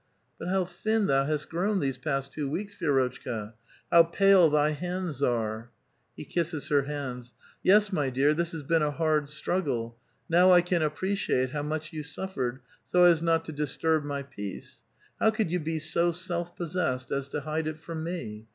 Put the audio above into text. ^^ But how thin thou hast grown these past two weeks, Vi^rotchka ! How pale thy hands are 1 " He kisses her hands. *' Yes, my deai', this has been a hard struggle. Now I can appreciate how much you suffered, so as not to disturb my peace. How could you be so self possessed as to hide it from me